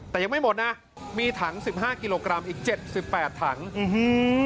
แต่ยังไม่หมดนะมีถังสิบห้ากิโลกรัมอีกเจ็ดสิบแปดถังอืม